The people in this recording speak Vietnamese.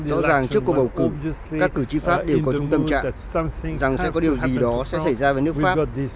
rõ ràng trước cuộc bầu cử các cử tri pháp đều có trung tâm trạng rằng sẽ có điều gì đó sẽ xảy ra với nước pháp